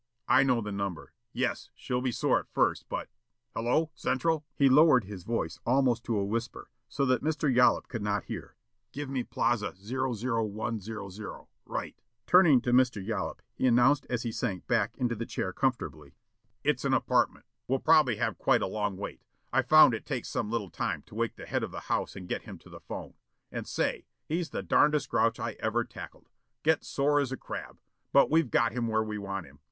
"I know the number. Yes, she'll be sore at first, but Hello Central?" He lowered his voice almost to a whisper, so that Mr. Yollop could not hear. "Give me Plaza 00100. Right." Turning to Mr. Yollop, he announced as he sank back into the chair comfortably: "It's an apartment. We'll probably have quite a long wait. I've found it takes some little time to wake the head of the house and get him to the 'phone. And say, he's the darndest grouch I've ever tackled. Get's sore as a crab. But we've got him where we want him.